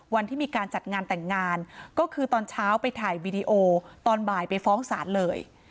วันที่มีการจัดงานแต่งงานก็คือตอนเช้าไปถ่ายวีดีโอตอนบ่ายไปฟ้องศาลเลย